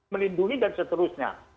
melindungi dan seterusnya